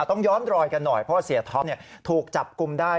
ต้องย้อนรอยกันหน่อยเพราะว่าเสียท็อปถูกจับกลุ่มได้